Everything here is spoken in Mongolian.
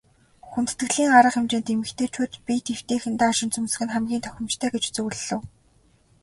Хүндэтгэлийн арга хэмжээнд эмэгтэйчүүд биед эвтэйхэн даашинз өмсөх нь хамгийн тохиромжтой гэж зөвлөлөө.